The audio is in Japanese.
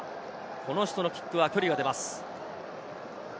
この人のキックは距離が出ます。